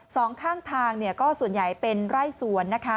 สองข้างทางก็ส่วนใหญ่เป็นไร่สวนนะคะ